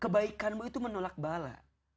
kebaikanmu itu menolak bahala